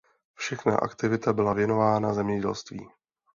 Všechna aktivita byla věnovaná zemědělství.